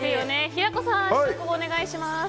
平子さん、試食をお願いします。